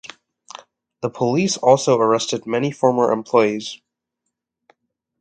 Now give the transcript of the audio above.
The police also arrested many former employees.